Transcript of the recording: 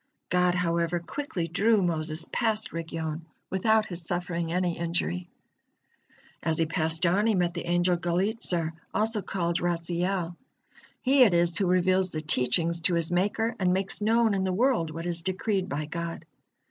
God, however, quickly drew Moses past Rigyon without his suffering any injury. As he passed on he met the angel Gallizur, also called Raziel. He it is who reveals the teachings to his Maker, and makes known in the world what is decreed by God.